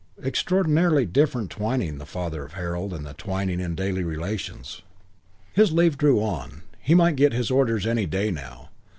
Extraordinarily different Twyning the father of Harold, and Twyning in daily relations. VIII His leave drew on. He might get his orders any day now.